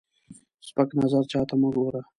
سپک نظر چاته مه ګوره